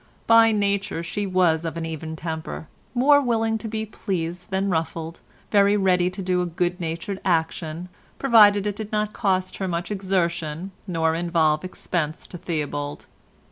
By nature she was of an even temper, more willing to be pleased than ruffled, very ready to do a good natured action, provided it did not cost her much exertion, nor involve expense to Theobald.